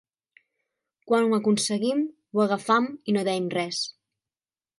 Quan ho aconseguim, ho agafam i no deim res.